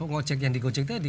gojek yang di gojek tadi